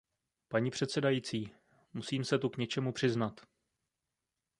Paní předsedající, musím se tu k něčemu přiznat.